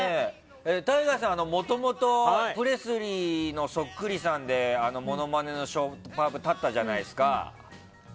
ＴＡＩＧＡさん、もともとプレスリーのそっくりさんでモノマネのショーパブに立ったじゃないですか。